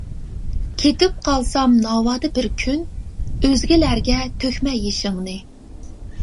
كېتىپ قالسام ناۋادا بىر كۈن، ئۆزگىلەرگە تۆكمە يېشىڭنى.